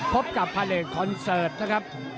พบกับพาเลกคอนเสิร์ตนะครับ